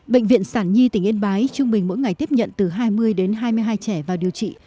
bệnh viện sản nhi tỉnh yên bái trung bình mỗi ngày tiếp nhận từ hai mươi đến hai mươi hai trẻ vào điều trị